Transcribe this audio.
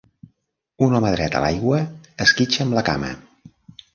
Un home dret a l'aigua esquitxa amb la cama.